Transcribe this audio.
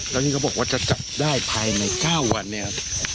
แล้วที่เขาบอกว่าจะจับได้ภายใน๙วันเนี่ย